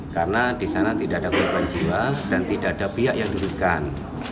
karena di sana tidak ada korban jiwa dan tidak ada pihak yang dihukumkan